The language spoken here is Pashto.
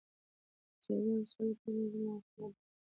د جګړې او سولې ترمنځ موکه وه.